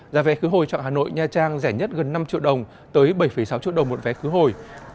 giá vé khứ hồi chọn hà nội nha trang rẻ nhất gần năm triệu đồng tới bảy sáu triệu đồng một vé khứ hồi